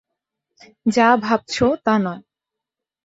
যা ভাবছো তা নয়।